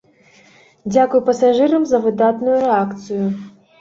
Дзякуй пасажырам за выдатную рэакцыю.